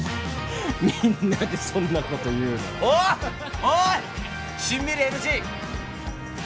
みんなでそんなこと言うのおいっおいっしんみりＮＧ！